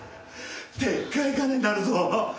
でっかい金になるぞ！